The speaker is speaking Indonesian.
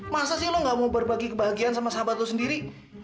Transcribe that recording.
masa sih lo gak mau berbagi kebahagiaan sama sahabat lo sendiri